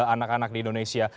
anak anak di indonesia